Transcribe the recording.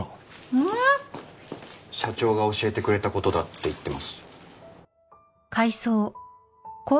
「社長が教えてくれた事だ」って言ってます。